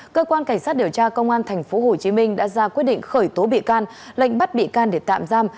cơ quan cảnh sát điều tra công an tp hcm đã ra quyết định khởi tố bị can lệnh bắt bị can để tạm giam